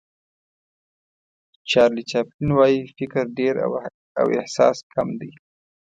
چارلي چاپلین وایي فکر ډېر او احساس کم دی.